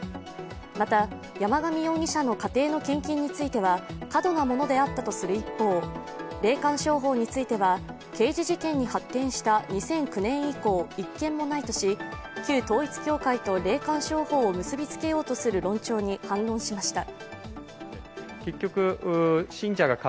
また、山上容疑者の家庭の献金については過度なものであったとする一方、霊感商法については、刑事事件に発展した２００９年以降、１件もないとし、旧統一教会と霊感商法を結びつけようとする論調に反論しました。